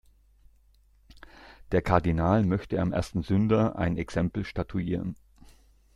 Der Kardinal möchte am ersten Sünder ein Exempel statuieren.